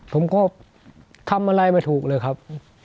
ผมก็ทำอะไรไม่ถูกเลยครับ